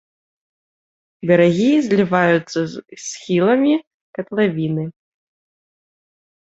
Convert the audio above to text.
Берагі зліваюцца з схіламі катлавіны.